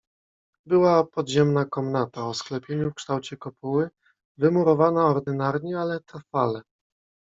"Była podziemna komnata o sklepieniu w kształcie kopuły, wymurowana ordynarnie ale trwale."